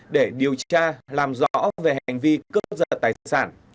để điều tra làm rõ về hành vi cướp giật tài sản